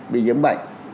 bị nhiễm bệnh